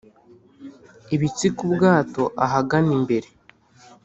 ibitsika ubwato ahagana imbere